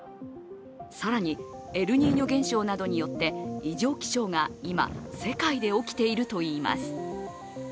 更にエルニーニョ現象などによって異常気象が今、世界で起きているといいます。